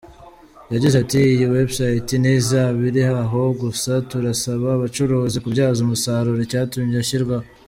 Yagize ati: "Iyi website ntizaba iri aho gusa turasaba abacuruzi kubyaza umusaruro icyatumye ishyirwaho.